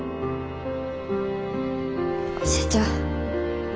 社長。